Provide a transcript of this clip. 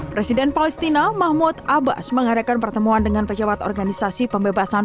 presiden palestina mahmud abbas mengadakan pertemuan dengan pejabat organisasi pembebasan